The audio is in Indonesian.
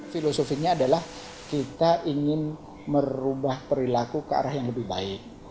filosofinya adalah kita ingin merubah perilaku ke arah yang lebih baik